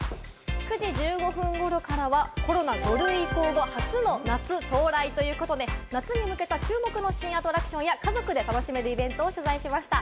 ９時１５分頃からはコロナ５類移行後、初の夏の到来ということで夏に向けた注目の新アトラクションや家族で楽しめるイベントを取材しました。